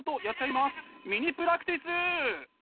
ミニプラクティス！